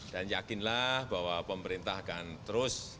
dan yakinlah bahwa pemerintah akan terus